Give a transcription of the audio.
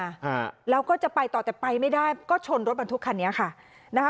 อ่าแล้วก็จะไปต่อแต่ไปไม่ได้ก็ชนรถบรรทุกคันนี้ค่ะนะคะ